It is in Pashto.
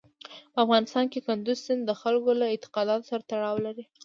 په افغانستان کې کندز سیند د خلکو له اعتقاداتو سره تړاو لري.